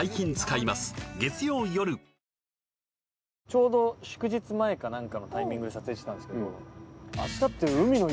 ちょうど祝日前か何かのタイミングで撮影してたんですけど。